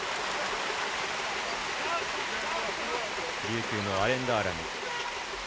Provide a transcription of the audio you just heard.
琉球のアレン・ダーラム。